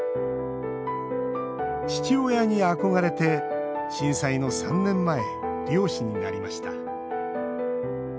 父親に憧れて、震災の３年前漁師になりました。